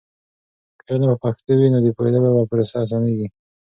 که علم په پښتو وي، نو د پوهیدلو پروسه اسانېږي.